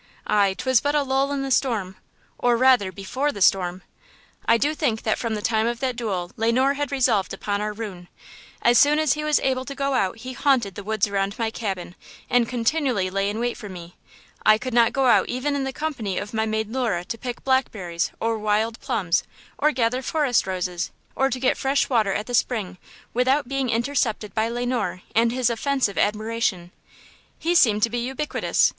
"Aye! 'twas but a lull in the storm," or, rather, before the storm! I do think that from the time of that duel Le Noir had resolved upon our ruin. As soon as he was able to go out he haunted the woods around my cabin and continually lay in wait for me. I could not go out even in the company of my maid Lura to pick blackberries or wild plums or gather forest roses, or to get fresh water at the spring, without being intercepted by Le Noir and his offensive admiration. He seemed to be ubiquitous!